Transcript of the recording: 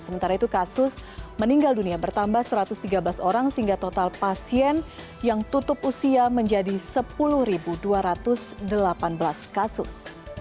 sementara itu kasus meninggal dunia bertambah satu ratus tiga belas orang sehingga total pasien yang tutup usia menjadi sepuluh dua ratus delapan belas kasus